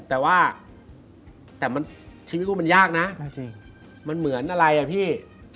แต่ว่าแต่ชีวิตกูมันยากนะมันเหมือนอะไรอ่ะพี่